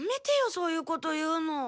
そういうこと言うの。